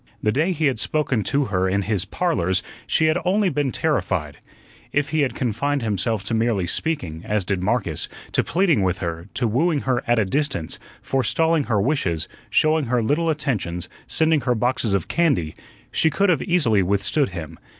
The day he had spoken to her in his "Parlors" she had only been terrified. If he had confined himself to merely speaking, as did Marcus, to pleading with her, to wooing her at a distance, forestalling her wishes, showing her little attentions, sending her boxes of candy, she could have easily withstood him.